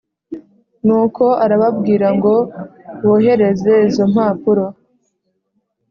nuko arababwira ngo bohereze izo mpapuro